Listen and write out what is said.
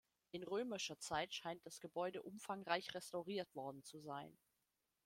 In römischer Zeit scheint das Gebäude umfangreich restauriert worden zu sein.